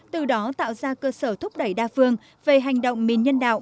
từ đó tạo ra cơ sở thúc đẩy đa phương về hành động mìn nhân đạo